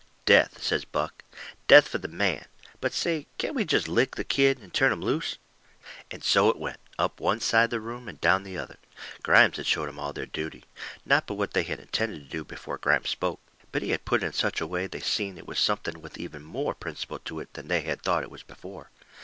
"Death," says Buck; "death for the man. But say, can't we jest LICK the kid and turn him loose?" And so it went, up one side the room and down the other. Grimes had showed 'em all their duty. Not but what they had intended to do it before Grimes spoke. But he had put it in such a way they seen it was something with even MORE principle to it than they had thought it was before.